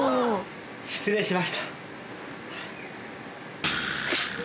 失礼しました。